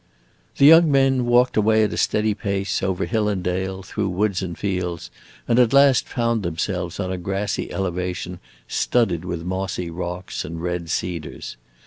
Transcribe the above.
The young men walked away at a steady pace, over hill and dale, through woods and fields, and at last found themselves on a grassy elevation studded with mossy rocks and red cedars.